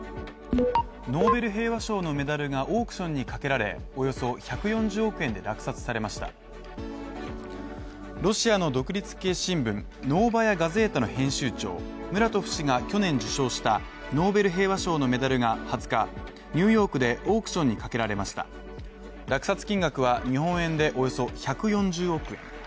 ノーベル平和賞のメダルがオークションにかけられ、およそ１４０億円で落札されましたロシアの独立系新聞「ノーバヤ・ガゼータ」の編集長、ムラトフ氏が去年受賞したノーベル平和賞のメダルが２０日、ニューヨークでオークションにかけられました落札金額は日本円でおよそ１４０億円。